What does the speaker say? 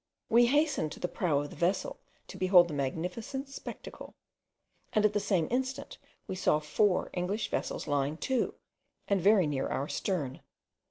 We hastened to the prow of the vessel to behold the magnificent spectacle, and at the same instant we saw four English vessels lying to, and very near our stern.